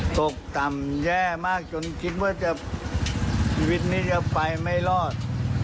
ตกต่ำแย่มากจนคิดว่าจะชีวิตนี้จะไปไม่รอด